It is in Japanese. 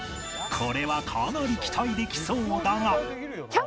これはかなり期待できそうだが